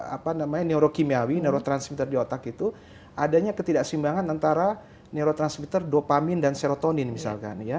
apa namanya neurokimiawi neurotransmitter di otak itu adanya ketidakseimbangan antara neurotransmitter dopamin dan serotonin misalkan ya